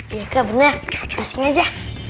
iya kak benar browsing aja